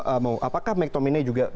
apakah mectomini juga